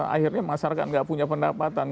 akhirnya masyarakat nggak punya pendapatan